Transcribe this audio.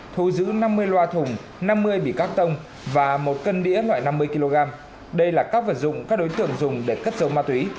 thu giữ năm mươi loa thùng năm mươi bị cắt tông và một cân đĩa loại năm mươi kg đây là các vật dụng các đối tượng dùng để cất dấu ma túy